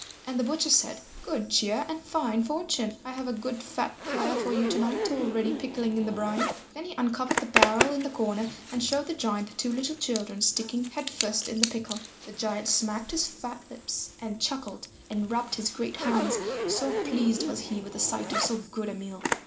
And the butcher said, "Good cheer and fine fortune. I have a good fat pair for you to night already pickling in the brine." Then he uncovered the barrel in the corner and showed the giant the two little children sticking head first in the pickle. The giant smacked his fat lips and chuckled and rubbed his great hands, so pleased was he with the sight of so good a meal.